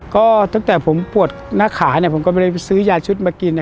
ก็ตั้งแต่ผมปวดหน้าขาเนี่ยผมก็ไม่ได้ซื้อยาชุดมากิน